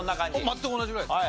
全く同じぐらいですね。